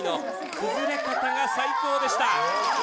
崩れ方が最高でした！